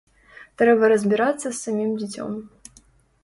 Трэба разбірацца з самім дзіцём.